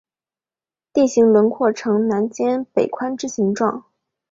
地形轮廓呈南尖北宽之形状。